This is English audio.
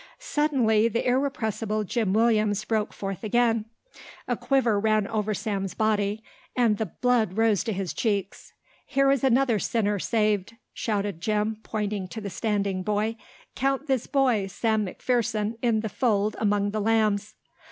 Suddenly the irrepressible Jim Williams broke forth again. A quiver ran over Sam's body and the blood rose to his cheeks. "Here is another sinner saved," shouted Jim, pointing to the standing boy. "Count this boy, Sam McPherson, in the fold among the lambs."